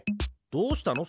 どうしたの？